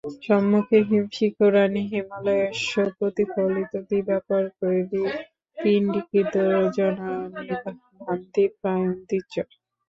সম্মুখে হিমশিখরাণি হিমালয়স্য প্রতিফলিতদিবাকরকরৈ পিণ্ডীকৃতরজতানীব ভান্তি প্রীণয়ন্তি চ।